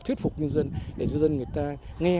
thuyết phục nhân dân để dân người ta nghe